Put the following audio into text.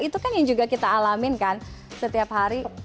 itu kan yang juga kita alamin kan setiap hari